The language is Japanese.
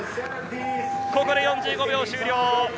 ここで４５秒終了。